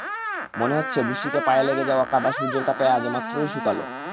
মনে হচ্ছে, বৃষ্টিতে পায়ে লেগে যাওয়া কাদা সূর্যের তাপে আজই মাত্র শুকাল।